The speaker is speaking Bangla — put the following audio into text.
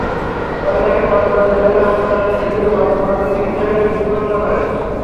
পরে তাকে বরগুনা জেনারেল হাসপাতালে নিয়ে গেলে কর্তব্যরত চিকিৎসকেরা মৃত ঘোষণা করেন।